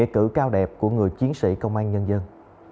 của người chiến sĩ công an nhân dân